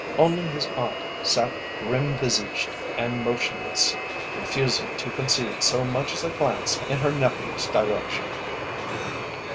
Only his aunt sat grim visaged and motionless, refusing to concede so much as a glance in her nephew's direction.